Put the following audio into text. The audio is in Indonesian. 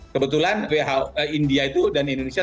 kebetulan india itu dan indonesia